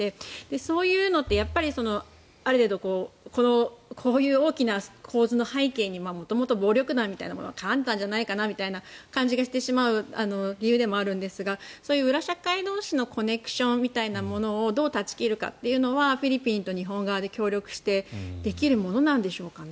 そういうのってやっぱりある程度こういう大きな構図の背景に元々暴力団みたいなものが関わっていたんじゃないかという感じがしてしまう理由でもあるんですがそういう裏社会同士のコネクションみたいなものをどう断ち切るかというのはフィリピンと日本側で協力してできるものなんですかね。